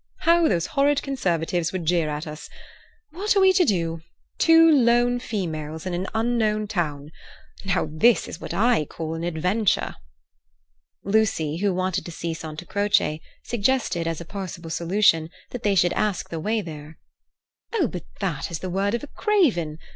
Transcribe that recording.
How those horrid Conservatives would jeer at us! What are we to do? Two lone females in an unknown town. Now, this is what I call an adventure." Lucy, who wanted to see Santa Croce, suggested, as a possible solution, that they should ask the way there. "Oh, but that is the word of a craven!